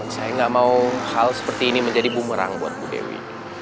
saya nggak mau hal seperti ini menjadi bumerang buat bu dewi